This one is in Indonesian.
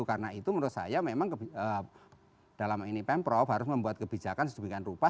karena itu menurut saya memang dalam ini pemprov harus membuat kebijakan sejumlah rupa